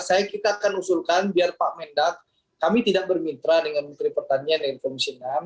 saya kita akan usulkan biar pak mendak kami tidak bermitra dengan menteri pertanian dan komisi enam